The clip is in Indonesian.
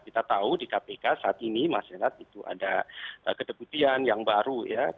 kita tahu di kpk saat ini masih ada ketebutian yang baru